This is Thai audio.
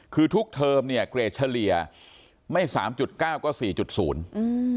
คือทุกเทอมเนี้ยเกรดเฉลี่ยไม่สามจุดเก้าก็สี่จุดศูนย์อืม